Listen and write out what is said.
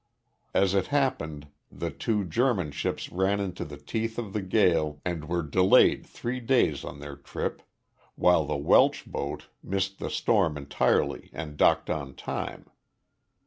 As it happened, the two German ships ran into the teeth of the gale and were delayed three days in their trip, while the Welsh boat missed the storm entirely and docked on time.